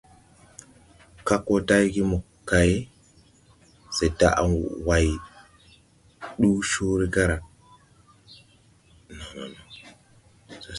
Kag wɔ day ge mokay, se daʼa way nduu Cõõré gaara.